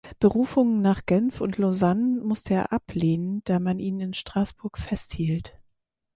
Berufungen nach Genf und Lausanne musste er ablehnen, da man ihn in Straßburg festhielt.